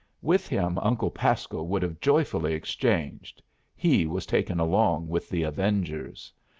With him Uncle Pasco would have joyfully exchanged. He was taken along with the avengers.